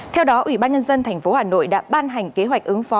theo đó ủy ban nhân dân tp hà nội đã ban hành kế hoạch ứng phó